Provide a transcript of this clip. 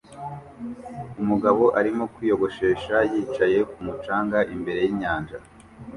Umugabo arimo kwiyogoshesha yicaye ku mucanga imbere yinyanja